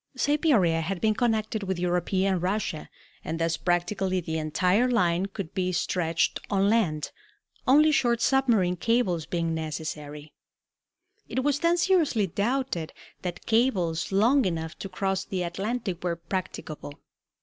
Siberia had been connected with European Russia, and thus practically the entire line could be stretched on land, only short submarine cables being necessary. It was then seriously doubted that cables long enough to cross the Atlantic were practicable.